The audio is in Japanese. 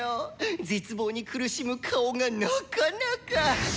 絶望に苦しむ顔がなかなか。